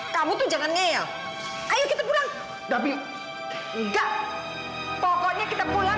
kamu tuh jangan ngeel dong